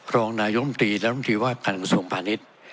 รองนายตรงมตรีและลำดีว่าการคส่วงผ่านิษฐ์